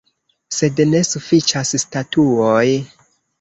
Sed ne sufiĉas statuoj.